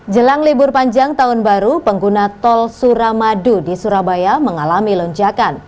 jelang libur panjang tahun baru pengguna tol suramadu di surabaya mengalami lonjakan